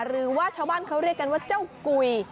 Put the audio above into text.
หรือว่าชาวบ้านเขาเรียกกันว่าเจ้ากุย